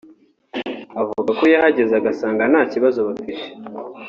avuga ko yahageze agasanga nta kibazo bafite